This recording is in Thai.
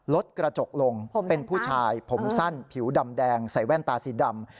รถกระจกลงเป็นผู้ชายผมสั้นผิวดำแดงใส่แว่นตาสีดำ